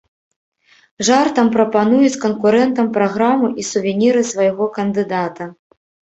Жартам прапануюць канкурэнтам праграму і сувеніры свайго кандыдата.